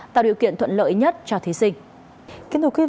tạo điều kiện thuận lợi nhất cho thí sinh